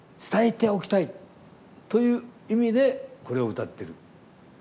伝えておきたいという意味でこれを歌ってる。